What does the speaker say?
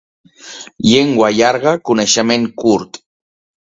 Llengua llarga, coneixement curt.